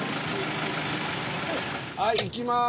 はい行きます！